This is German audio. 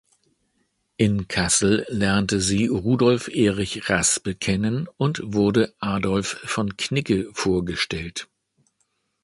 In Kassel lernte sie Rudolf Erich Raspe kennen und wurde Adolph von Knigge vorgestellt.